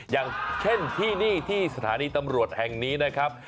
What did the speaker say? อย่างเช่นที่นี่ที่สถานีตำรวจแห่งนี้นะครับ